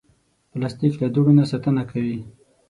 پلاستيک له دوړو نه ساتنه کوي.